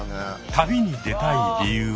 旅に出たい理由は？